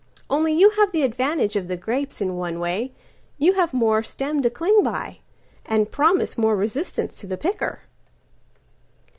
Only you have the advantage of the grapesIn one way: you have one more stem to cling by, And promise more resistance to the picker."